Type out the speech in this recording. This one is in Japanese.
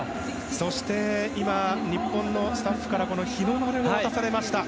そして日本のスタッフから日の丸が渡されました。